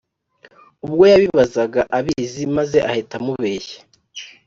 Ubwo yabibazaga abizi, maze ahita amubeshya